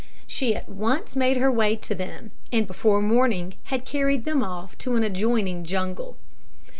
She at once made her way to them, and before morning had carried them off to an adjoining jungle.